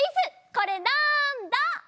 これなんだ？